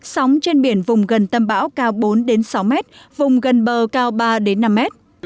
sóng trên biển vùng gần tâm bão cao bốn sáu mét vùng gần bờ cao ba năm mét